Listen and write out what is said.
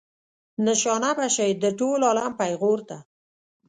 نشانه به شئ د ټول عالم پیغور ته.